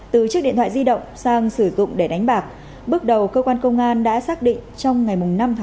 từ chiếc điện thoại di động sang sử dụng để đánh bạc bước đầu cơ quan công an đã xác định trong ngày năm bảy hai nghìn hai mươi một